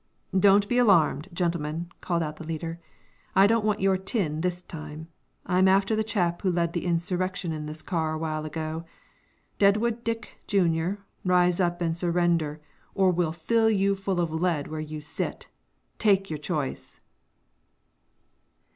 "Don't be alarmed, gentlemen," called out the leader. "I don't want your tin this time; I am after the chap who led the insurrection in this car awhile ago. Deadwood Dick, Junior, rise up and surrender, or we will fill you full of lead where you sit! Take your choice."